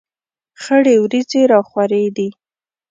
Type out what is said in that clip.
خړې ورېځې را خورې دي.